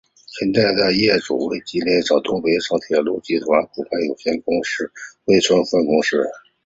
现在业主为吉林省东北亚铁路集团股份有限公司珲春分公司。